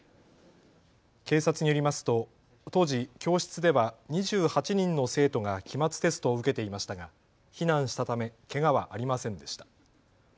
警察によりますと当時、教室では２８人の生徒が期末テストを受けていましたが避難したためけがはありませんでした。